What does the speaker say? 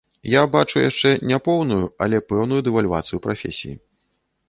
Я бачу яшчэ не поўную, але пэўную дэвальвацыю прафесіі.